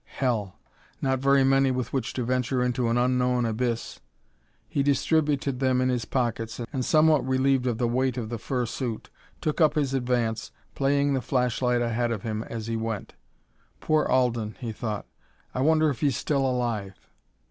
Hell! Not very many with which to venture into an unknown abyss. He distributed them in his pockets, and, somewhat relieved of the weight of the fur suit, took up his advance, playing the flashlight ahead of him as he went. "Poor Alden," he thought. "I wonder if he's still alive?"